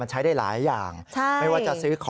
สิ่งจำเป็นในการนำรวมชีวิต